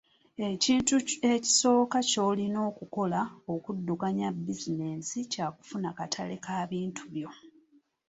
Ekintu ekisooka ky'olina okukola okuddukanya bizinensi kya kufuna katale ka bintu byo.